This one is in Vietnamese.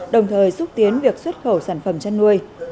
đồng thời xúc tiến việc xuất khẩu sản phẩm chăn nuôi